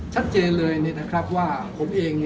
ชัดเจนเลยว่าผมเอง